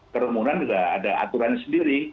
kerumunan juga ada aturannya sendiri